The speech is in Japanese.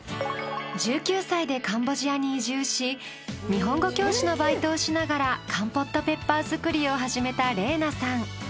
１９歳でカンボジアに移住し日本語教師のバイトをしながらカンポットペッパー作りを始めた澪那さん。